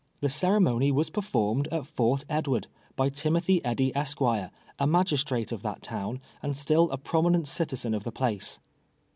Tlie ceremony was performed at Fort Edward, by Timothy Eddy, Esq., a magistrate of that town, and still a prominent citizen of the place.